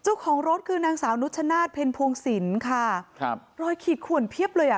จุของรถคือนางสาวนุชชะนาดเพลพวงสินค่ะครับรอยขีดข่วนเพียบเลยอ่ะ